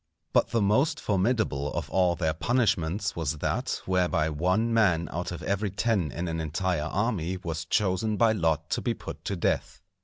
But the most formidable of all their punishments was that whereby one man out of every ten in an entire army was chosen by lot to be put to death.